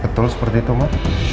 betul seperti itu ma